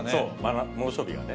猛暑日がね。